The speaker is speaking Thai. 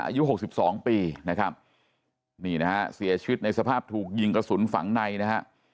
อายุหกสิบสองปีนะครับนี่นะฮะเสียชีวิตในสภาพถูกยิงกระสุนฝังในนะฮะ